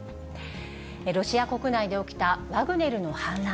ロシア国内で起きたワグネルの反乱。